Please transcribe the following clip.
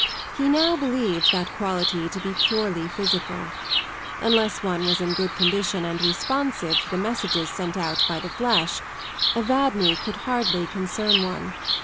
He now believed that quality to be purely physical. Unless one was in good condition and responsive to the messages sent out by the flesh Evadne could hardly concern one.